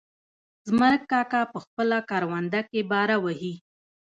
زمرک کاکا په خپله کرونده کې باره وهي.